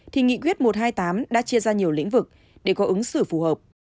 thì nghị quyết một trăm hai mươi tám đã chia ra nhiều lĩnh vực để có ứng xử phù hợp